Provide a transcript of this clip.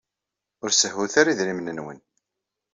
Ur sehhut ara idrimen-nwen.